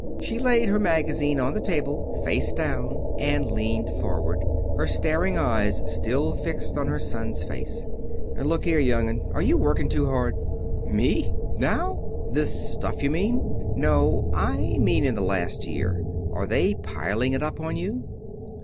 She laid her magazine on the table, face down, and leaned forward, her staring eyes still fixed on her son's face. "Look here, young 'un. Are you working too hard?" "Me? Now? This stuff you mean ?" "No; I mean in the last year. Are they piling it up on you?"